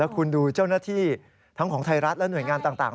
คุณดูเจ้าหน้าที่ทั้งของไทยรัฐและหน่วยงานต่าง